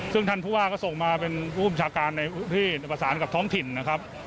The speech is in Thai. ซึ่งท่านผู้ว่าก็ส่งมาเป็นผู้บัญชาการในพื้นที่ประสานกับท้องถิ่นนะครับ